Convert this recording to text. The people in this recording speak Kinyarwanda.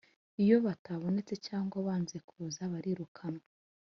Iyo batabonetse cyangwa banze kuza barirukanwa.